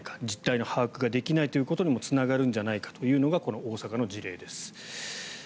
実態の把握ができないことにもつながるんじゃないかというのが大阪の事例です。